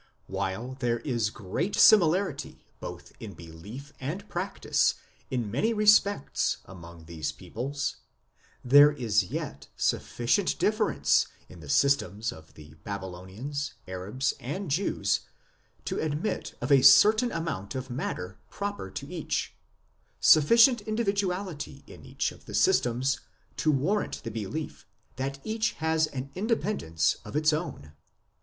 While there is great similarity both in belief and practice in many respects among these peoples, there is yet sufficient difference in the systems of the Babylonians, Arabs, and Jews to admit of a certain amount of matter proper to each, sufficient individuality in each of the systems to warrant the belief that each has an independence of its own.